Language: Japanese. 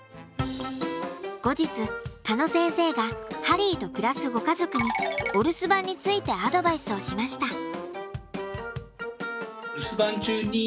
後日鹿野先生がハリーと暮らすご家族にお留守番についてアドバイスをしました。